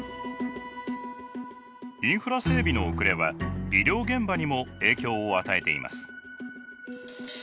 インフラ整備の遅れは医療現場にも影響を与えています。